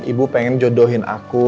ibu pengen jodohin aku